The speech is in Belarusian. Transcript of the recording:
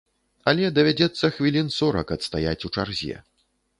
Але давядзецца хвілін сорак адстаяць у чарзе.